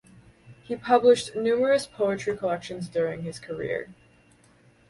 He published numerous poetry collections during his career.